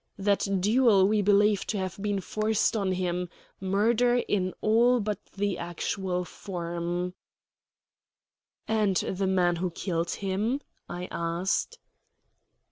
That duel we believe to have been forced on him murder in all but the actual form." "And the man who killed him?" I asked.